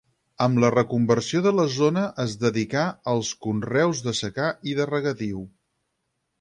Amb la reconversió de la zona es dedicà als conreus de secà i de regadiu.